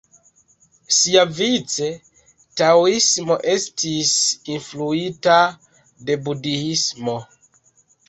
Siavice, taoismo estis influita de budhismo.